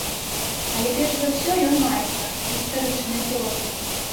Але перш за ўсё ён майстар гістарычнай прозы.